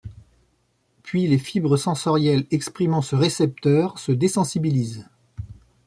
Puis les fibres sensorielles exprimant ce récepteur se désensibilisent.